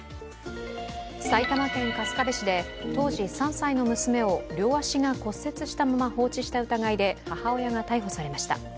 埼玉県春日部市で当時３歳の娘を両足が骨折したまま放置した疑いで母親が逮捕されました。